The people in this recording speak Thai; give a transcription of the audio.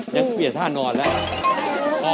ค่ะยังเปลี่ยนท่านอนแหละ